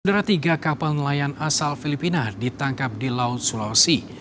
saudara tiga kapal nelayan asal filipina ditangkap di laut sulawesi